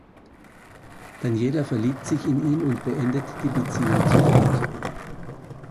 Daniela verliebt sich in ihn und beendet die Beziehung zu Flik.